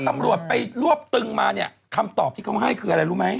ตำรวจไปรวบตึงมาเนี่ยคำตอบที่เขาให้คืออะไรรู้ไหม